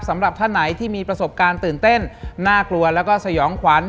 สำหรับท่านไหนที่มีประสบการณ์ตื่นเต้นน่ากลัวแล้วก็สยองขวัญ